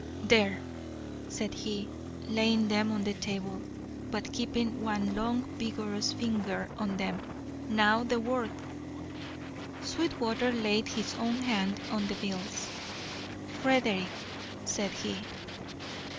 "There," said he, laying them on the table, but keeping one long vigorous finger on them. "Now, the word." Sweetwater laid his own hand on the bills. "Frederick," said he.